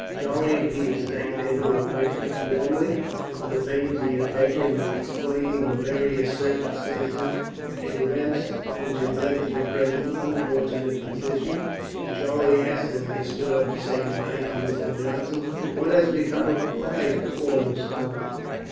Charlie and Peters thanked their new acquaintance, warmly, for the pains he had taken in explaining the various circumstances and events which had led to the present unfortunate position; and Charlie asked, as they stood up to say goodnight to Mr. Johnson, "What has become of Clive, all this time?"